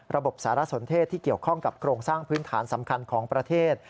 ระบบสารสนเทศที่เกี่ยวข้องกับโครงสร้างพื้นฐานสำคัญของประเทศ